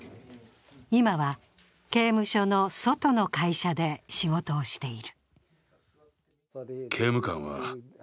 今は、刑務所の外の会社で仕事をしている。